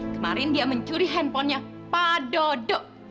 kemarin dia mencuri handphonenya pak dodo